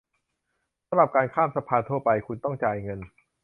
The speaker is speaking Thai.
สำหรับการข้ามสะพานทั่วไป คุณต้องจ่ายเงิน